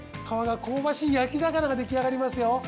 皮が香ばしい焼き魚が出来上がりますよ。